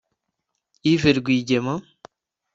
Yves Rwigema